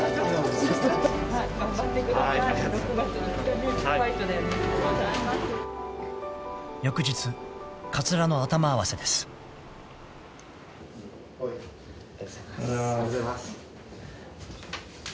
おはようございます。